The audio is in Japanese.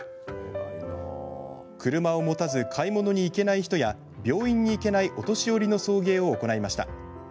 車を持たず買い物に行けない人や病院に行けないお年寄りの送迎を行いました。